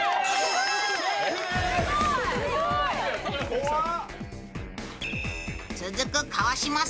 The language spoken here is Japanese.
怖っ！